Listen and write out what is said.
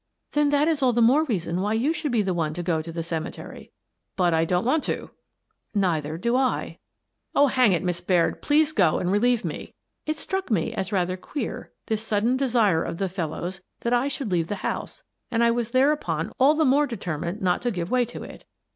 " Then that is all the more reason why you should be the one to go to the cemetery." " But I don't want to." " Neither do I." The Woman in the Case 191 " Oh, hang it, Miss Baird, please go and relieve me!" It struck me as rather queer, this sudden desire of the fellow's that I should leave the house, and I was thereupon all the more determined not to give way to it.